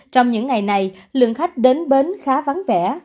trong những ngày này lượng khách đến bến khá vắng vẻ